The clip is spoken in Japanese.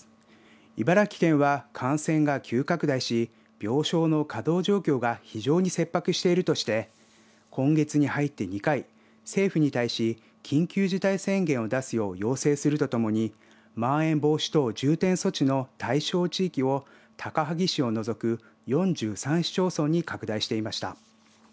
茨城県は感染が急拡大し病床の稼働状況が非常に切迫しているとして今月に入って２回、政府に対し緊急事態宣言を出すよう要請するとともにまん延防止等重点措置の対象地域を高萩市を除く４３市町村に拡大していました。